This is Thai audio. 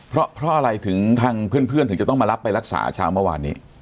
เพราะอะไรถึงทางเพื่อนถึงจะต้องมารับไปรักษาเช้าเมื่อวานนี้